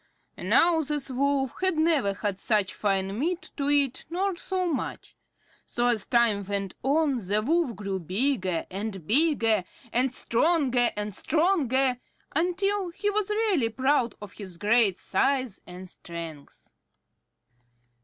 Now this Wolf had never had such fine meat to eat, nor so much. So as time went on, the Wolf grew bigger and bigger, and stronger and stronger, until he was really proud of his great size and strength.